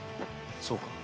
そうか。